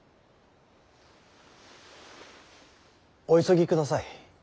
お急ぎください。